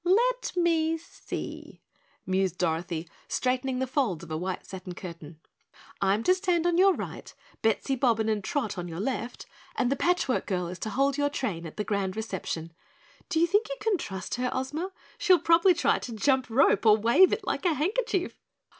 "Let me see," mused Dorothy, straightening the folds of a white satin curtain. "I'm to stand on your right, Bettsy Bobbin and Trot on your left, and the Patchwork Girl is to hold your train at the grand reception. Do you think you can trust her, Ozma? She'll probably try to jump rope or wave it like a handkerchief."